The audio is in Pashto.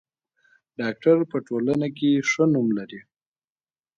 ډاکټر په ټولنه کې ښه نوم لري.